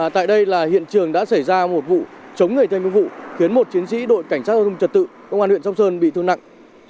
tại đây là hiện trường đã xảy ra một vụ chống người thêm công vụ khiến một chiến sĩ đội cảnh sát giao thông trật tự công an huyện sóc sơn bị thương nặng